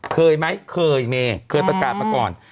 เคยไหมเคยมีเคยประกาศมาก่อน